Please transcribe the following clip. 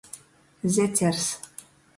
Zecers.